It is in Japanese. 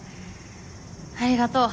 ありがとう。